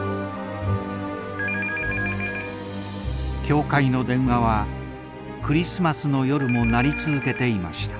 ☎教会の電話はクリスマスの夜も鳴り続けていました。